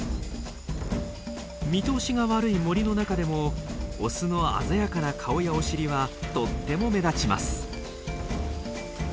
見通しが悪い森の中でもオスの鮮やかな顔やお尻はとっても目立ちます。